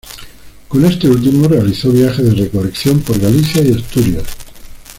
Con este último realizó viajes de recolección por Galicia y Asturias.